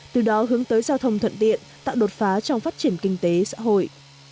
từ đó hướng tới giao thông thuận tiện tạo đột phá trong phát triển kinh tế xã hội